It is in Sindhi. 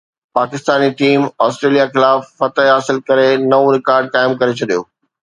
پاڪستاني ٽيم آسٽريليا خلاف فتح حاصل ڪري نئون رڪارڊ قائم ڪري ڇڏيو